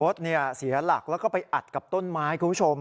รถเสียหลักแล้วก็ไปอัดกับต้นไม้คุณผู้ชม